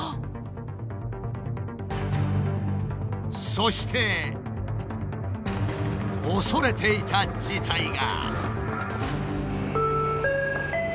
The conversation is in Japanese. そして恐れていた事態が。